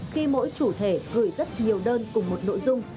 khi mỗi chủ thể gửi rất nhiều đơn cùng một nội dung